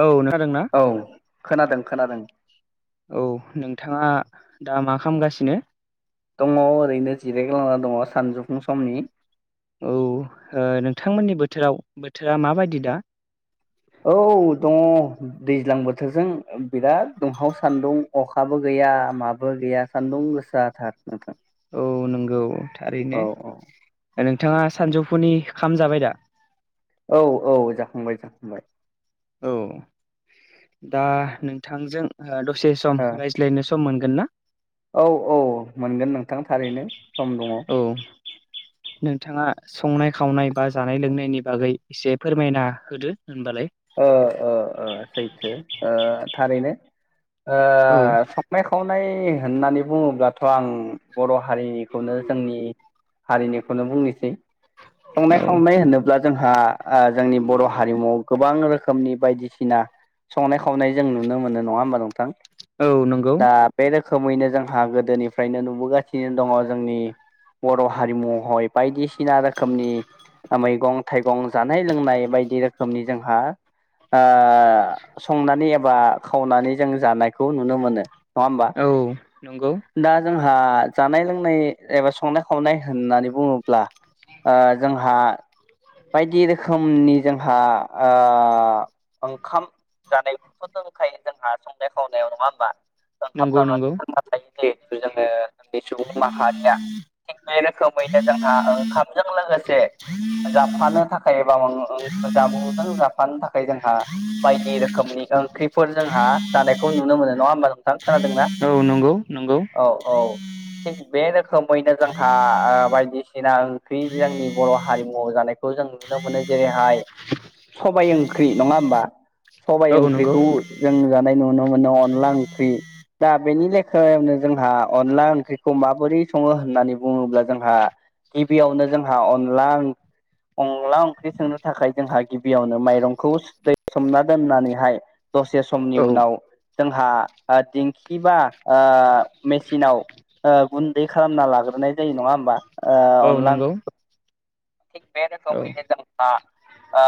औ खोनादों ना? औ खोनादों खोनादों औ नों थाङा दा मा खालामगासिनो? दङ ओरैनो जिरायग्लांना दङ सानजौफुं समनि। औ ओ नोंथांमोननि बोथोराव बोथोरा माबायदि दा। औ दङ दैज्लां बोथोरजों बिराद दुंहाव सान्दुं अखाबो गै या माबो गैया सान्दुं गोसाथार नोंथां। औ नंगौ थारैनो। औ नोंथाङा सानजौफुनि खाम जाबाय दा? औ औ जाखांबाय जाखांबाय। औ दा नोंथांजों दसे सम ओ रायज्लायनो सम मोनगोन गोनना? औ औ मोनगोन नोंथां थारैनो सम दङ। [inaudible] नोंथाङा संनाय खावनाय बा जानाय लोंनायनि बागै एसे फोरमायना होदो। होनबालाय ओ ओ सैथो थारैनो। ओ औ संनाय खावनाय होननानै बुङोब्लाथ' आं बर' हारिनिखौनो जोंनि हारिनिखौनो बुंनोसै। संनाय औ खावनाय होनोब्ला जोंहा जोंनि बर' हारिमुवाव गोबां रोखोमनि बायदिसिना संनाय खावनाय जों नुनो मोनो नङा होमबा नोंथां? औ नंगौ। दा बे रोखोमैनो जोंहा गोदोनिफ्रायनो नुबोगासिनो दङ जोंनि बर' हारिमुहय बायदिसिना रोखोमनि ओ मैगं थाइगं जानाय लोंनाय बायदि रोखोमनि जोंहा ओ संनानै ए बा खावनानै जों जानायखौ नुनो मोनो। होमबा औ नंगौ। दा जोंहा जानाय लोंनाय एबा संनाय खावनाय होननानै बुङोब्ला ओ जोंहा बायदि रोखोमनि जोंहा ओ ओंखाम जानायखौथ' दंखायो जोंहा संनाय खावनायाव, नङा होमबा? [unintelligible] नंगौ नंगौ जोंनि सुबुं माहारिया थिग बे रोखोमैनो जोंहा ओंखामजों लोगोसे जाफानो थाखाय एबा मा जामुंजों जाफानो थाखाय जोंहा बायदि रोखोमनि ओंख्रिफोर जोंहा जानायखौ नुनो मोनो नङा होमबा नोंथां? खोनादोंना? औ नंगौ नंगौ औ औ। थिग बे रोखोमैनो जोंहा ओ बायदिसिना ओंख्रि जोंनि बर' हारिमु आव जानायखौ जों नुनो मोनो जेरैहाय सबाइ ओंख्रि नङा होमबा? सबाइ औ नंगौ ओंख्रिखौ जों जानाय नुनो मोनो, अनला ओंख्रि दा बेनि लेखायावनो जोंहा अनला ओंख्रिखौ माबोरै सङो होननानै बुङोब्ला जोंहा गिबियावनो जोंहा अनला अनला ओंख्रि संनो थाखाय जोंहा गिबियावनो माइरंखौ दै सोमना दोननानैहाय दसे समनि औ उनाव जोंहा ओ दिंखि बा ओ मेसिनाव ओ गुन्दै खालामना लाग्रोनाय जायो नङा होमबा? औ ओ अनला नंगौ ओंख्रिखौ [unintelligible] औ ओ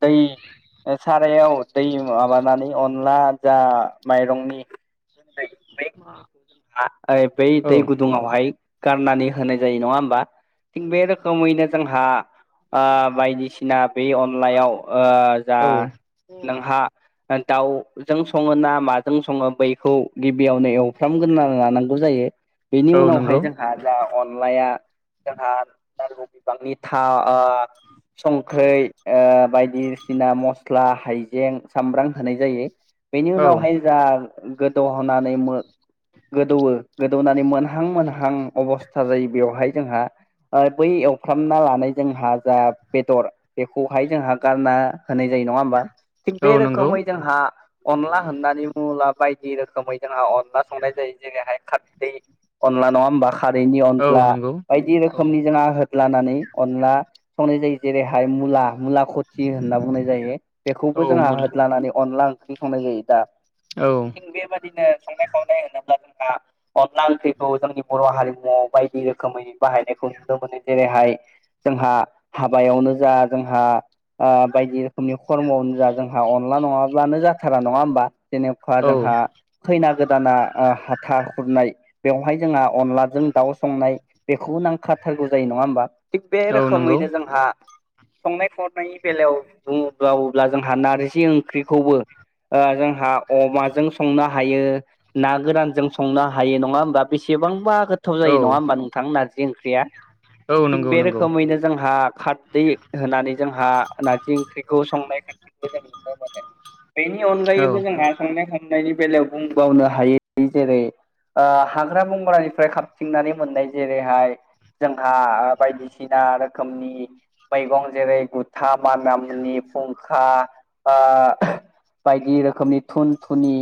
दै सारायाव दै माबानानै अनला जा माइरंनि [inaudible] आ बै औ दै गुदुंहाय गारनानै होनाय जायो नङा होमबा? थिग बे रोखोमैनो जोंहा ओ बायदिसिना बे अनलायाव ओ जा औ नोंहा दाउजों सङोना माजों सङो बैखौ गिबियावनो एवफ्राम गोरना लानांगौ जायो। बेनि औ नंगौ उनावहाय जोंहा जा अनलाया जोंहा [unintelligible] थाव ओ संख्रि ओ बायदिसिना मस्ला, हायजें, सामब्राम होनाय जायो। बेनि औ उनावहाय जा गोदौ होनानै मो गोदौवो गोदौनानै मोनहां मोनहां अबस्था जायो बेवहाय जोंहा ओ बै एवफ्रामना लानाय जोंहा जा बेदर बेखौहाय जोंहा गारना होनाय जायो नङा होमबा? थिग औ बे नंगौ रोखोमै जोंहा अनला होननानै मुला बायदि रोखोमै जोंहा अनला संनाय जायो जेरैहाय खारदै अनला नङा होमबा खारैनि औ अनला नंगौ बायदि औ रोखोमनि जों होदलानानै अनला सं नाय जायो जेरै हाय मुला मुला खटि होनना बुंनाय जायो औ बेखौबो जोंहा मुल होदलानानै अनला ओंखो ओंख्रि संनाय जायो दा औ थिग बेबादिनो संनाय खावनाय होनोब्ला जोंहा अनला ओंख्रिखौ जोंनि बर' हारिमुआव बायदि रोखोमैनि बाहायनायखौ नुनो मोनो जेरैहाय जोंहा हाबायावनो जा जोंहा आ बायदि रोखोमनि खर्मआवनोजा जोंहा अनला नङाबानो जाथारा नङा होमबा जेनेबा औ जोंहा फैनागोर जाना आ हाथा खुरनाय बेवहाय जोंहा अनलाजों दाउ संनाय बेखौ नांखाथार गौ जायो नङा होमबा थिग बे औ नंगौ रोखोमैनो जोंहा संनाय खावनायनि बेलायाव बुङोब्ला अब्ला जोंहा नारजि ओंख्रिखौबो ओ जोंहा अमाजों संनो हायो ना गोरानजों संनो हायो नङा होमबा बेसेबांबा गोथाव औ जायो नङा होमबा नोंथां नारजि ओंख्रिया। औ थिग नंगौ बे नंगौ रोखोमैनो जोंहा खारदै होनानै जोंहा नारजि ओंख्रिखौ संनायखाय बेनि औ अनगायैबो जोंहा संनाय खांनायनि बेलायाव बुंबावनो हा हायो जेरै आ हाग्रा बंग्रानिफ्राय खाबथिंनानै मोननाय जेरैहाय जोंहा ओ बायदिसिना रोखोमनि मैगं जेरै गुथा मानामुनि फुंखा आ- बायदि रोखोमनि थुन थुनि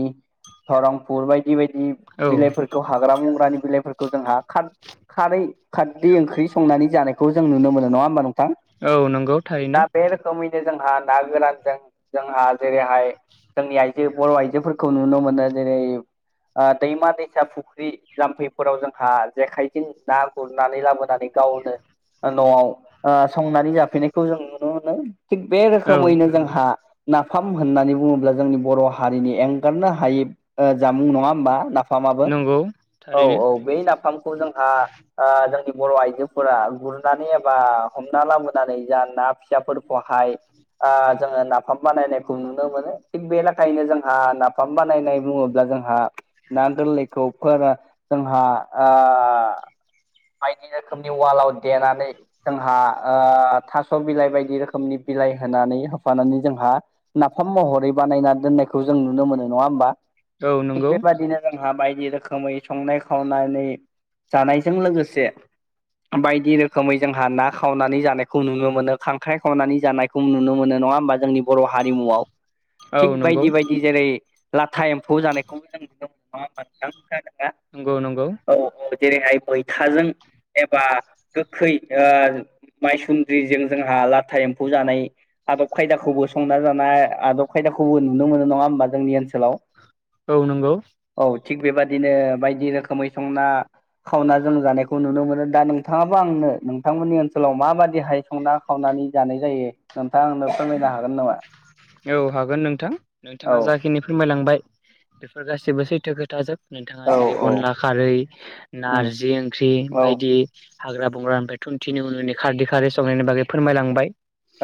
धरं फुर बायदि बायदि औ बिलाइफोरखौ हाग्रा बंग्रानि बिलाइफोरखौ जोंहा खार खारै खारदै ओंख्रि संनानै जानायखौ जों नुनो मोनो नङा होमबा नोंथां? औ नंगौ थारैनो। समैनो जोंहा ना गोरानजों जोंहा जेरैहाय जोंनि आइजो बर' आइजोफोरखौ नुनो मोनो जेरै ओ दैमा दैसा फुख्रि जाम्फैफोराव जोंहा जेखाइजोंं ना गुरनानै लाबोनो नानै गावनो न'आव ओ संनानै जाफैनायखौ जों नुनो मोनो थिग बे औ रोखोमैनो जोंहा नाफाम होननानै बुङोब्ला जोंनि बर' हारिनि एंगारनो हायि ओ जामुं नङा होमबा नाफ फामाबो नंगौ औ थारैनो औ बे नाफा फामखौ जोंहा ओ जोंनि बर' आइजोफोरा गुरनानै एबा हमना लाबोनानै जा ना फिसा फोरखौ हाय आ जोङो नाफाम बानायनायखौ नुनो मोनो थिग बे लाखायनो जोंहा नाफाम बानायनाय बुङो ब्ला जोंहा ना गोरलैखौ फोरा जोंहा आ बायदि रोखोमनि वालाव देनानै जोंहा ओ थास' बिलाइ बायदि रोखोमनि बिलाइ होनानै होफानानै जोंहा नाफाम महरै बानायना दोननायखौ जों नुनो मोनो नङा होमबा? औ थिग नंगौ बेबायदिनो जोंहा बायदि रोखोमै संनाय खाव नानै जानायजों लोगोसे बायदि रोखोमै जोंहा ना खावनानै जानायखौ नुनो मोनो खांख्राइ खावनानै जानायखौ नुनो मोनो। नङा होनबा जोंनि बर' हारिमुआव औ थिख नंगौ बायदि बायदि जेरै लाथाइ एमफौ जानाय नंगौ नंगौ। औ औ जेरैहाय मैथाजों एबा गोखै ओ माय सुन्द्रिजों जोंहा लाथा एम्फौ जानाय आदब खायदा खौबो संना जानाया आदब खायदा खौबो नुनो मोनो नङा होमबा जोंनि ओनसोलाव। औ नंगौ। औ थिग बेबादिनो बायदि रोखोमै संना खावना जों जानायखौ नुनो मोनो दा नोंथाङा आबो आंनो नोंथां मोननि ओनसोलाव माबादि हाय संना खावनानै जानाय जायो नोंथांआ आंनो फोरमायनो हा गोन नामा? औ हागोन नोंथां औ नोंथाङा जाखिनि फोरमाय लांबाय बेफोर गासिबो सैथो खोथा जोब। नोंथाङा जेरै अनला खारै उम नारजि ओंख्रि औ बायदि हाग्रा बंग्रा निफ्राय थुमथिनि उननि खारदै खारै संनायनि बागै फोरमाय लांबाय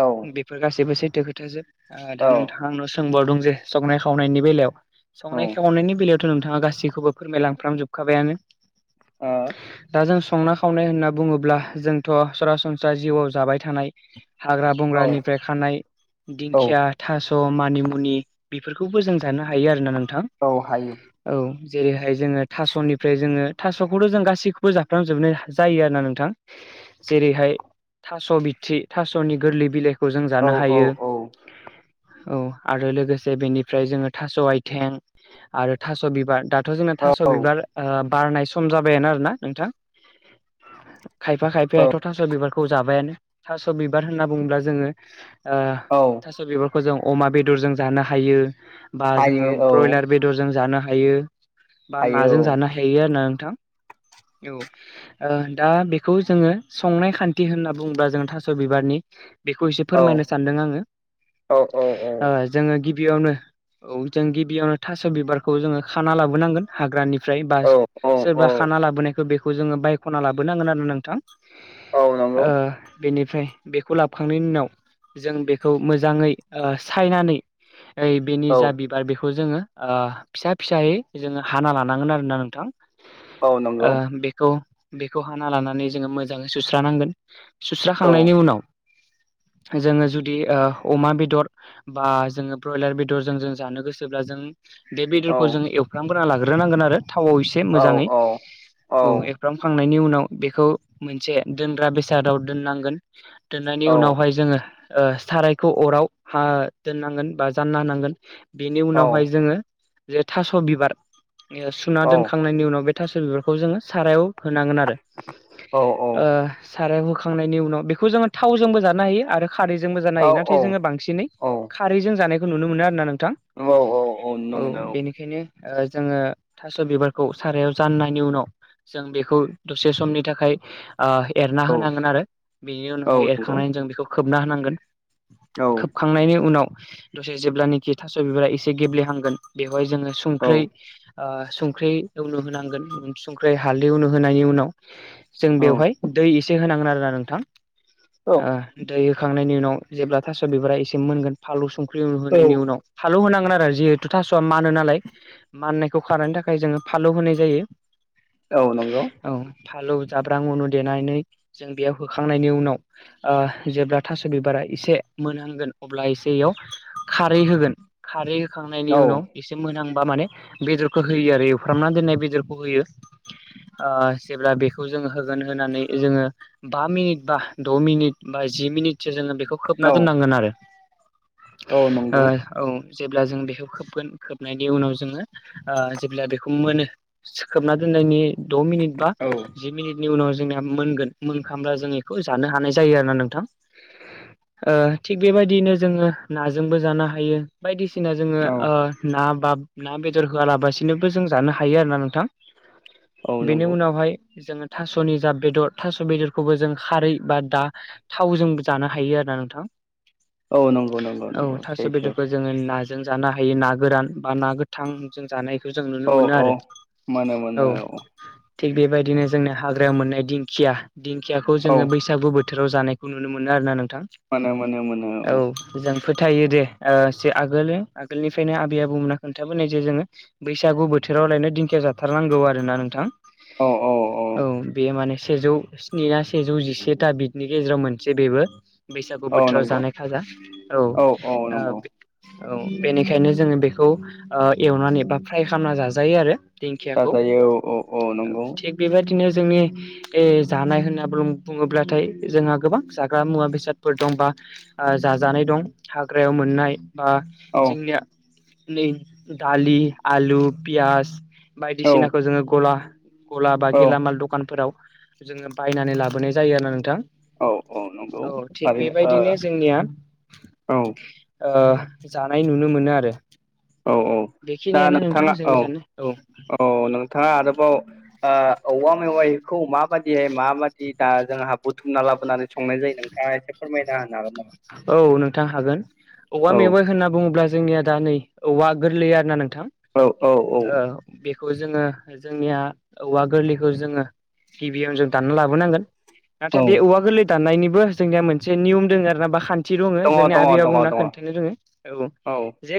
औ बेफोर गासैबो सै बे खोथाजोब। ओ दा औ नोंथाङा आंनाव सोंबावदों जे संनाय खावनायनि बेलायाव। संनाय खावनायनि बेलायावथ' नोंथाङा गासैखौबो फोरमायलांफ्राम जोबखाबायानो। ओ। संनाय खावनाय होनना बुङोब्ला जोंथ' सरासनस्रा जिउआव जाबाय थानाय हाग्रा औ बंग्रानिफ्राय खानाय दिंखिया, थास' मानिमुनि बेफोरखौबो जों जानो हायो आरोना नोंथां औ। जेरैहाय जोङो थास'निफ्राय जोङो थास'खौथ' जों गासैखौबो जाफ्राम जोबनाय जायो आरो ना नोंथां जेरैहाय थास' बिथ्रि थास'नि गोरलै बिलाइखौ जों औ जानो हायो। औ औ औ आरो लोगोसे बेनिफ्राय जोङो थास' आथिं आरो थास' बिबार दा थ' जोंना थास' बिबार ओ बारनाय सम जाबायानो आरोना नोंथां। खायफा औ खायफायाथ' थास' बिबारखौ जाबायानो थास' बिबार होनना बुङोब्ला जोङो ओ औ बेफोरखौ जों अमा बेदरजों जानो हायो बा हायो जोङो औ ब्रयलार बेदरजों जानो हायो। बा हायो नाजों जानो हायो आरोना नोंथां। औ ओ दा बेखौ जोङो संनाय खान्थि होनना बुङोब्ला जोङो थास' बिबारनि बेखौ एसे औ फोरमायनो सानदों आंङो। औ औ औ। गिबियावनो औ जों गिबियावनो थास' बिबारखौ जोङो खाना लाबोनांगोन हाग्रानि ओमफ्राय बा औ सोरबा औ खाना लाबोनायखौ बेखौ जोङो बायख'ना लाबोनांगोन आरोना नोंथां। औ नंगौ ओ बेनिफ्राय बेखौ लाबोखांनायनि उनाव जों बे खौ मोजाङै ओ सायनानै बेनि औ जा बिबार बेखौ जोङो ओ फिसा फिसायै जोङो हाना लानांगोन आरोना नोंथां। औ ओ नंगौ बेखौ बेखौ हाना लानानै जोङो मोजाङै सुस्रानांगोन। औ सुस्राखांनायनि उनाव जोङो जुदि ओ अमा बेदर बा जोङो ब्रयलार बेदर जों जों जानो गोसोब्ला जों बे बेदरखौ औ जों एवफ्रांगोना लाग्रोनांगोन आरो। थावाव एसे औ मोजाङै औ एख्राम खांनाय नि उनाव बेखौ मोनसे दोनग्रा बेसादाव दोननांगोन। दोननायनि औ उनावहाय जोङो ओ सारायखौ अराव हा दोननांगोन बा जानना होनांगोन। बेनि औ उनावहाय जोङो जे थास' बिबार सुना औ दोनखांनायनि उनाव बे थास' बिबारखौ जोङो सारायाव होनांगोन आरो ओ सारायाव होखांनायनि उनाव बेखौ जोङो थावजोंबो जानो हायो आरो खारैजोंबो जानो औ हायो औ नाथाय जोङो बांसिनै औ खारैजों जानायखौ नुनो मोनो आरोना नों थां नुनो औ बेनिखायनो ओ जोङो थास' बिबारखौ सारायाव जाननायनि उनाव जों बेखौ दसे समनि थाखाय ओ एरना मोनो औ होनांगोन आरो बेनि औ उनावाय नंगौ औ एरखांनानै जों बेखौ खोबना होनांगोन। खोबखांनायनि उनाव दसे जेब्लानाखि थास' बिबारा एसे गेब्लेहांगोन बेव हय जोङो औ औ संख्रै ओ संख्रि उन्दु होनांगोन संख्रि हालदै उनु होनायनि उनाव जों बेवहाय दै एसे होनांगोन आरोना नोंथां ओ खांनायनि उनाव जेब्ला थास' बिसारा इसे मोनगोन फालौ संख्रि उनु होनायनि औ उनाव नंगौ फालौ होनां गोन आरो जिहेतु थास'आ मानो नालाय माननायखौ खारनायनि थाखाय जोङो फालौ होनाय जायो। औ नंगौ। औ फालौ जाब्रां अनु देनानै जों बेयाव होखांनायनि उनाव ओ जेब्ला थास' बिबारा एसे मोनहांगोन अब्ला एसे इयाव खारै होगोन खारै खांनायनि औ उनाव एसे मोनहां बा माने बेदरखौ होयो आरो एवफ्रामनानै दोननाय बेदरखौ होयो ओ जेब्ला बेखौ जों जों होगोन होनानै जोङो बा मिनिट बा द' मिनिट। बा जि मिनिटसो जोङो बेखौ खोबना दोननांगोन आरो। ओ औ। जेब्ला जों बेखौ खोबगोन खोबनायनि उनाव जोङो जेब्ला बेखौ मोनो खोबना दोननायनि द' मिनिट बा जि मिनिटनि उनाव जोंनिया मोनगोन मोनखामब्ला जों बेखौ जानो हानाय जायो आरो। ना नोंथां ओ थिग बेबायदियैनो जोङो नाजोंबो जानो हायो बायदिसि बायदिसिना जोङो ओ ना बा ना बेदर होआलाबसिनोबो जों जानो हायो आरोना नोंथां। औ बेनि नंगौ उनावहाय जोङो थास'नि जा बेदर थास' बेदरखौबो जों खारै बा दा थावजों जानो हायो आरो ना नोंथां औ नंगौ नंगौ औ नंगौ थावसे सैथो बेदरखौ जोङो जों जानो हायो ना गोरान बा ना गोथां जों जानाय बेखौ जों नुनो औ मोनो औ आरो मोनो औ। मोनो थिग बेबायदिनो जोंनि हाग्रायाव मोननाय दिंखिया दिंखियाखौ औ जोङो बैसागु बोथोराव जानाय खौ नुनो मोनो आरोना नोंथां मोनो मोनो मोनो औ मोजां। फोथायो दे जे ओ आगोल आगोलनिफ्रायनो आबै आबौमोना खोनथाबोनाय जे जोङो बैसागु बोथोर बोथोराव लायनो दिंखिया जाथारनांगौ आरो ना नोंथां? औ औ बेयो माने सेजौ स्नि सेजौ जिसेथा बिनि गेजेराव मोन जसे बेबो बैसागु औ बोथोराव नंगौ जानाय खाजा औ। औ बेनिखायनो जोङो बेखौ ओ एवनानै बा फ्राय खालामना जाजायो आरो। दिंखियाखौ जाजायो औ औ औ नंगौ थिग बेबायदि बिनो जोंनि जानाय होनना बुङोब्लाथाय जोंहा गोबां जाग्रा मुवा बेसादफोर दं बा जाजानाय दं हाग्रायाव मोननाय बा औ जोंनिया नै दालि आलु पियास - - औ बायदिसिनाखौ जोङो गला गला बा औ गेलामाल दखानफोराव जोङो बायनानै लाबोनाय जायो आरोना नोंथां। औ औ नंगौ औ थिग थारैनो बेबायदिनो जोंनिया ओ ओ जानाय नुनो मोनो आरो। औ औ दा बेखिनियानो नोंथां नोंथाङा औ जोंनि जानाय औ औ नोंथाङा आरोबाव ओ औवा मेवाइखौ माबादिहाय माबादि दा जोंहा बुथुमना लाबोनानै संनाय जायो नों ओ एसे फोरमायना होनो हागोन नामा? औ नोंथां हागोन औवा औ मेवाइ होनना बुङोब्ला जोंनिया दा नै औवा गोरलैया आरोना नों औ औ ओ खौ जोङो जोंनिया औवा गोरलैखौ जोङो गिबियावनो जों दानना लाबोनांगोन नाथाय बे औवा गोरलै दाननायनिबो जोंनिया मोनसे नियम दं आरोना बा थि दङ जोंनि आबै आ बुंना दङ दङ खोन्थानो दङ रोङो औ बुं जे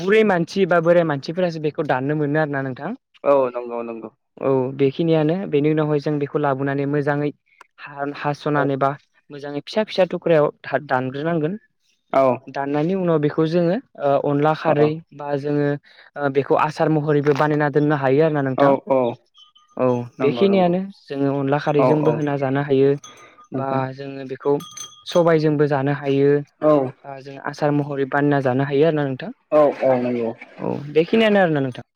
बुरै मानसि बा बोराय मानसिफोरासो बेखौ दाननो मोनो आर ना नों थां दङ औ नंगौ नंगौ औ बे बे खिनियानो बेनि उनावहाय जों बेखौ लाबोनानै मोजाङै औ हास'नानै एबा मोजाङै फिसा फिसा थुख्रायाव दानग्रोनांगोन औ दाननायनि उनाव बेखौ जोङो। ओ अनला खारै बा जोङो बेखौ आसार महरैबो बानायना दोननो हा हायो आरो ना औ नोंथां। औ नंगौ नंगौ बेखिनियानो जोङो अनला औ औ खारैजोंबो होना जानो हायो बा नंगौ जोङो बेखौ बेखौ सबायजोंबो जानो हायो औ जों आसार महरै बानना जानो हायो आरो। थां औ औ नंगौ औ बेखिनियानो आरोना नोंथां।